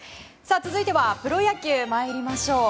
続いてはプロ野球参りましょう。